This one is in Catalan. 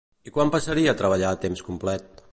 I quan passaria a treballar a temps complet?